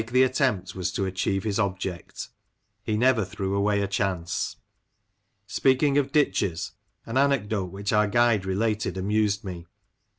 45 the attempt was to achieve his object — he never threw away a chance. Speaking of ditches, an anecdote which our guide related, amused me.